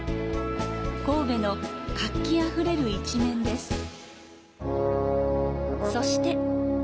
神戸の活気あふれる一面です。